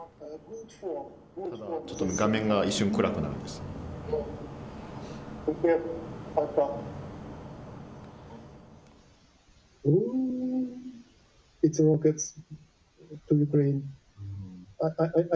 ちょっと画面が一瞬暗くなりましたね。